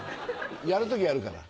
やる時はやるから。